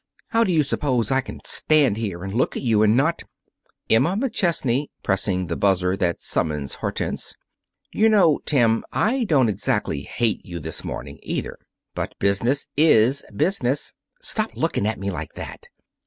How do you suppose I can stand here and look at you and not " Emma McChesney (pressing the buzzer that summons Hortense): "You know, Tim, I don't exactly hate you this morning, either. But business is business. Stop looking at me like that!"